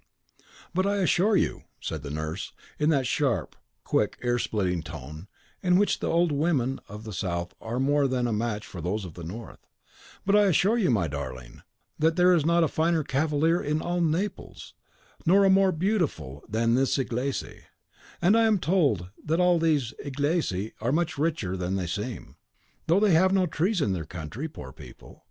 "But I assure you," said the nurse, in that sharp, quick, ear splitting tone in which the old women of the South are more than a match for those of the North, "but I assure you, my darling, that there is not a finer cavalier in all Naples, nor a more beautiful, than this Inglese; and I am told that all these Inglesi are much richer than they seem. Though they have no trees in their country, poor people!